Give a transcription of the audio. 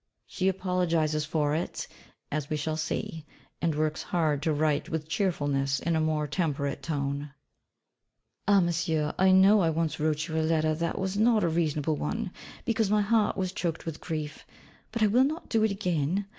She apologises for it, as we shall see; and works hard to write with cheerfulness in a more temperate tone: Ah, Monsieur! I know I once wrote you a letter that was not a reasonable one, because my heart was choked with grief; but I will not do it again!